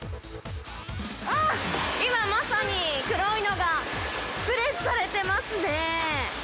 あー、今まさに黒いのがプレスされてますね。